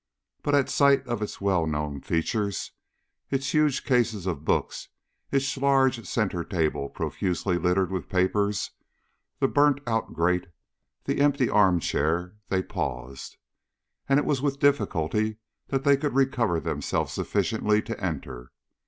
But at sight of its well known features its huge cases of books, its large centre table profusely littered with papers, the burnt out grate, the empty arm chair they paused, and it was with difficulty they could recover themselves sufficiently to enter.